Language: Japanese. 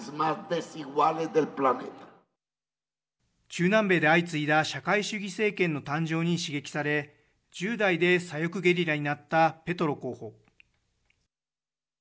中南米で相次いだ社会主義政権の誕生に刺激され１０代で左翼ゲリラになったペトロ候補。